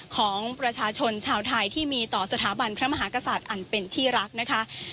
ของประชาชนชาวไทยที่มีต่อสถาบันพระมหากษัตริย์อันเป็นที่รักนะคะ